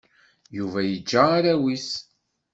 Yuba yeǧǧa arraw-is.